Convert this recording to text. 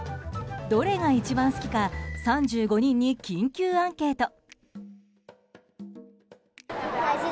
どれが一番好きか３５人に緊急アンケート。